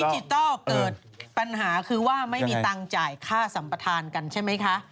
จิทัลเกิดปัญหาคือว่าไม่มีตังค์จ่ายค่าสัมปทานกันใช่ไหมคะ